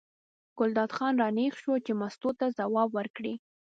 ګلداد خان را نېغ شو چې مستو ته ځواب ورکړي.